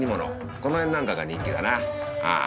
この辺なんかが人気だなああ。